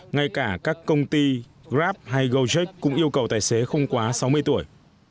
ngay cả các công ty grab hay go trek cũng yêu cầu tài xế không quá sáu mươi tuổi